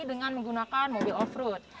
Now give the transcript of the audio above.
dengan menggunakan mobil off road